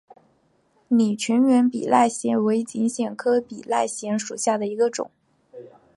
拟全缘比赖藓为锦藓科比赖藓属下的一个种。